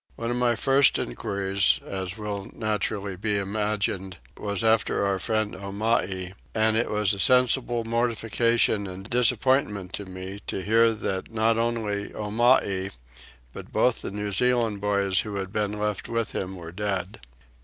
One of my first enquiries, as will naturally be imagined, was after our friend Omai; and it was a sensible mortification and disappointment to me to hear that not only Omai, but both the New Zealand boys who had been left with him, were dead.